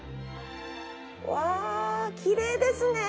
わあきれいですね。